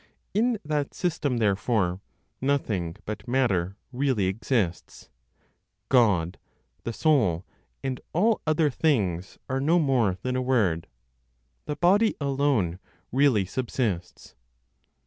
In that system, therefore, nothing but matter really exists. God, the soul, and all other things are no more than a word; the body alone really subsists.